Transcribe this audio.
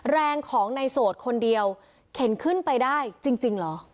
แรงของในโสดคนเดียวเข็นขึ้นไปได้จริงเหรอ